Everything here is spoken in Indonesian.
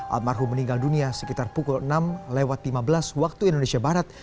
almarhum meninggal dunia sekitar pukul enam lewat lima belas waktu indonesia barat